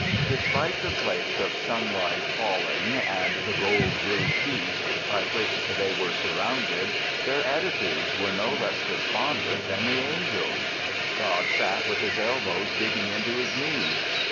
Despite the flakes of sunlight falling and the gold blue peace by which They were surrounded. Their attitudes were no less despondent than the angels'. God sat with His elbows digging into His knees.